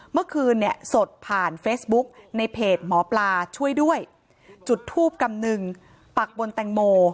เมื่อคืนเนี่ยสดผ่านเฟซบุ๊กในเพจหมอปลาช่วยด้วยจุดทูบกำนึงปักบนแตงโม